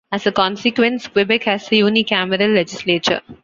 As a consequence, Quebec has a unicameral legislature.